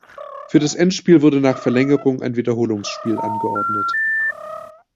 Für das Endspiel wurde nach Verlängerung ein Wiederholungsspiel angeordnet.